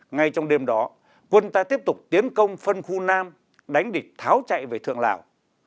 ngay trong đêm đó quân ta tiếp tục tiến công phân khu nam đánh địch tháo chạy về thượng lào